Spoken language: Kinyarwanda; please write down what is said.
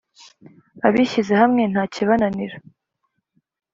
Abishyize hamwe ntakibananira